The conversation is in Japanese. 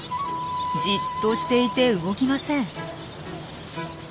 じっとしていて動きません。